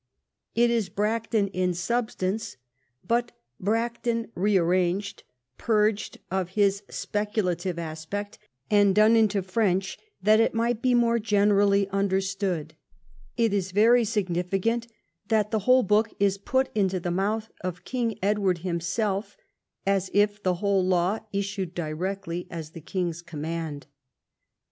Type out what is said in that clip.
It is Bracton in substance, but Bracton rearranged, purged of his speculative aspect, and done into French that it might be more generally understood. It is very significant that the whole book is put into the mouth of King Edward himself, as if the whole law issued directly as the king's command.